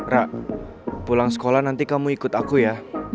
rak pulang sekolah nanti kamu ikut aku ya